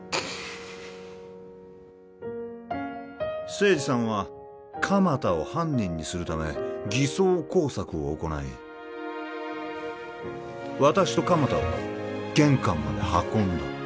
清二さんは鎌田を犯人にするため偽装工作を行い私と鎌田を玄関まで運んだ